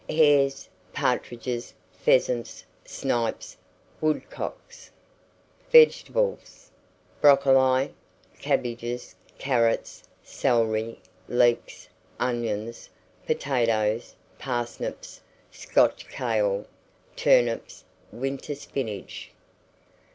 Hares, partridges, pheasants, snipes, woodcocks. VEGETABLES. Broccoli, cabbages, carrots, celery, leeks, onions, potatoes, parsnips, Scotch kale, turnips, winter spinach.